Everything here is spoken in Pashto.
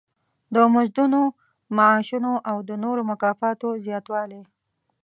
د مزدونو، معاشونو او د نورو مکافاتو زیاتوالی.